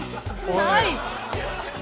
ない！